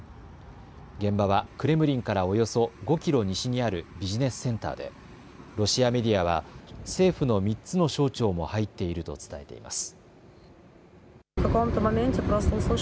現場はクレムリンからおよそ５キロ西にあるビジネスセンターでロシアメディアは政府の３つの省庁も入っていると伝えています。